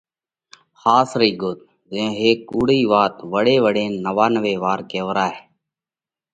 ۿاس رئِي ڳوت: زئيون هيڪ ڪُوڙئِي وات وۯي وۯينَ نوانوي وار ڪيوَرائہ